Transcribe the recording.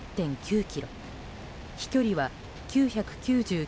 飛距離は９９９．２ｋｍ。